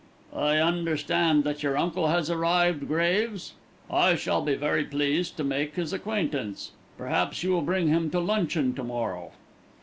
"I understand that your uncle has arrived, Graves? I shall be very pleased to make his acquaintance. Perhaps you will bring him to luncheon to morrow."